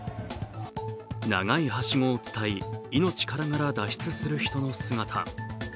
長いはしごを伝い、命からがら脱出する人の姿。